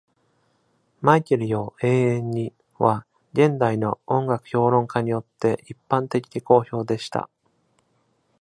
「マイケルよ、永遠に」は、現代の音楽評論家によって一般的に好評でした。